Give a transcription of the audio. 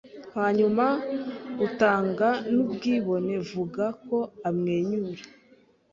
hanyuma utange nubwibone Vuga ko amwenyura